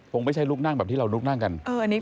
คงไม่ใช่ลุกนั่งแบบที่เราลุกนั่งกัน